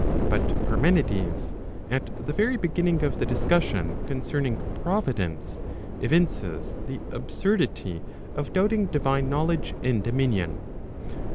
But Parmenides, at the very beginning of the discussion concerning Providence, evinces the absurdity of doubting divine knowledge and dominion.